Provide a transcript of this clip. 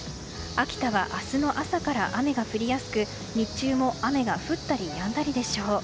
秋田は、明日の朝から雨が降りやすく、日中も雨が降ったりやんだりでしょう。